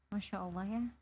masya allah ya